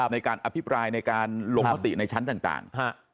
ในการอภิปรายในการลงมติในชั้นต่าง